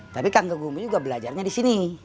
tapi kang gegumi juga belajarnya di sini